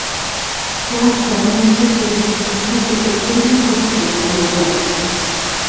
Я вярнуўся злосны, і мне цяпер вельмі брыдка за сваю рэакцыю.